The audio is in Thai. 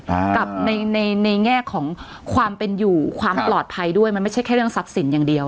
กับในในในแง่ของความเป็นอยู่ความปลอดภัยด้วยมันไม่ใช่แค่เรื่องทรัพย์สินอย่างเดียว